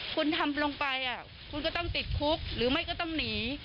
คุณทำลงไปคุณก็ต้องติดคุกหรือไม่ก็ต้องหนี